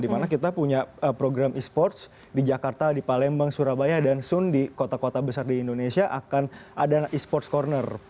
di mana kita punya program esports di jakarta di palembang surabaya dan soon di kota kota besar di indonesia akan ada esports corner